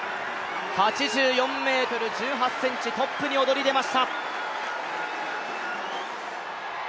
８４ｍ１８ｃｍ、トップに躍り出ました。